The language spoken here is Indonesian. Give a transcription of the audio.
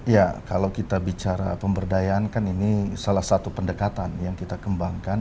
ya kalau kita bicara pemberdayaan kan ini salah satu pendekatan yang kita kembangkan